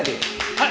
はい！